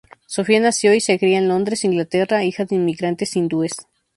Sophia nació y se cria en Londres, Inglaterra, hija de inmigrantes hindúes.